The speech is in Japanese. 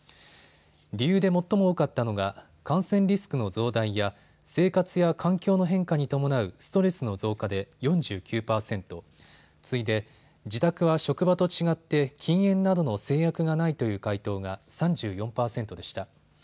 理由で最も多かったのが感染リスクの増大や生活や環境の変化に伴うストレスの増加で４９％、次いで自宅は職場と違って禁煙などの制約がないという回答が３４％でした。